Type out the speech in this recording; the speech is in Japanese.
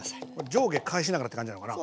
上下返しながらって感じなのかな？